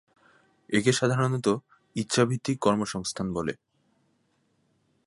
একে সাধারণত ইচ্ছা-ভিত্তিক কর্মসংস্থান বলে।